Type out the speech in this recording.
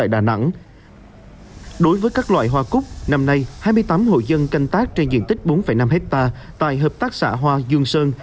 đối với các loại hoa cúc năm nay hai mươi tám hội dân canh tác trên diện tích bốn năm hectare tại hợp tác xã hoa dương sơn